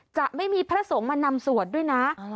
จะไม่มีพระสงฆ์มานำสวดด้วยนะ